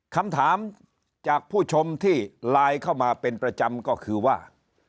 คำถามจากผู้ชมที่ไลน์เข้ามาเป็นประจำก็คือว่า